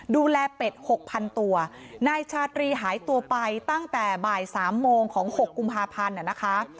เป็ดหกพันตัวนายชาตรีหายตัวไปตั้งแต่บ่ายสามโมงของ๖กุมภาพันธ์นะคะ